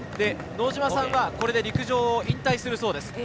能島さんは、これで陸上を引退するそうです。